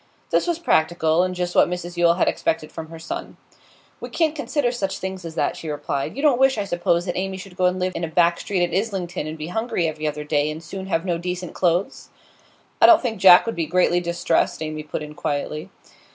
This was practical, and just what Mrs Yule had expected from her son. 'We can't consider such things as that,' she replied. 'You don't wish, I suppose, that Amy should go and live in a back street at Islington, and be hungry every other day, and soon have no decent clothes?' 'I don't think Jack would be greatly distressed,' Amy put in quietly.